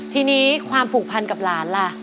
ทีนี้ความผูกพันกับหลานล่ะ